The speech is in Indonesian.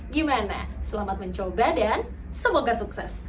gimana selamat mencoba dan semoga sukses